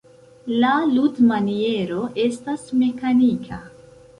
La ludmaniero estas mekanika.